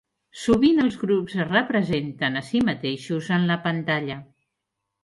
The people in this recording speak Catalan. Sovint els grups es representen a si mateixos en la pantalla.